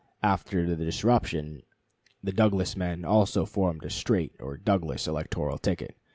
After the disruption, the Douglas men also formed a straight, or Douglas, electoral ticket.